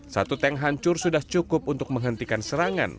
satu tank hancur sudah cukup untuk menghentikan serangan